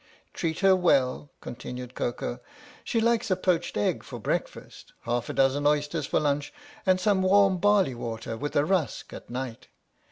"Treat her well," continued Koko. " She likes a poached egg for breakfast, half a dozen oysters for lunch, and some warm barley water with a rusk at night.